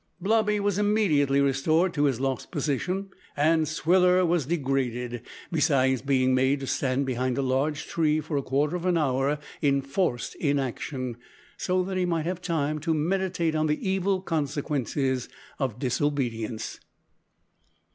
Blobby was immediately restored to his lost position, and Swiller was degraded, besides being made to stand behind a large tree for a quarter of an hour in forced inaction, so that he might have time to meditate on the evil consequences of disobedience.